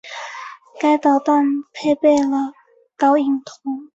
该导弹配备了导引头。